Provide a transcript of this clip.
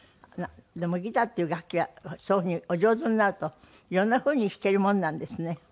でもギターっていう楽器はそういうふうにお上手になると色んなふうに弾けるものなんですね。